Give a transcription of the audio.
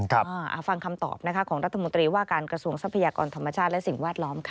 ฟังคำตอบนะคะของรัฐมนตรีว่าการกระทรวงทรัพยากรธรรมชาติและสิ่งแวดล้อมค่ะ